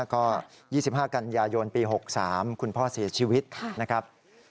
ก็๒๕กันยายนปี๖๓คุณพ่อเสียชีวิตนะครับ